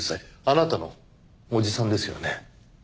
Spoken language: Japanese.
あなたの叔父さんですよね。